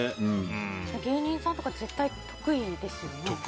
芸人さんとか絶対得意ですよね。